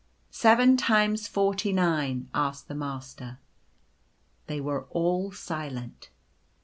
" Seven times forty nine ?" asked the Master. They were all silent.